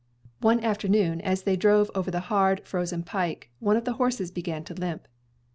One afternoon, as they drove over the hard, frozen pike, one of the horses began to limp.